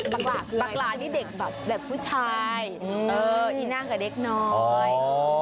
บักลานี่เด็กแบบผู้ชายอีหน้ากับเด็กน้อย